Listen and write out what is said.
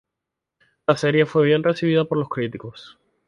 La serie fue bien recibida por los críticos.